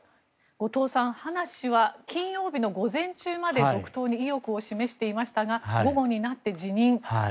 後藤さん、葉梨氏は金曜日の午前中まで続投に意欲を示していましたが午後になって辞任